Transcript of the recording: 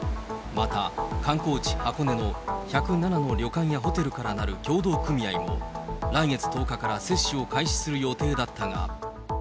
また、観光地、箱根の１０７の旅館やホテルからなる協同組合も、来月１０日から接種を開始する予定だったが。